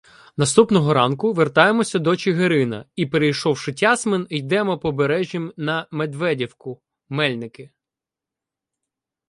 Наступного ранку вертаємося до Чигирина і, перейшовши Тясмин, йдемо Побережжям на Медведівку — Мельники.